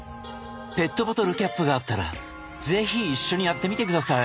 ペットボトルキャップがあったら是非一緒にやってみて下さい。